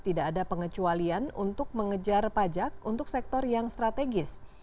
tidak ada pengecualian untuk mengejar pajak untuk sektor yang strategis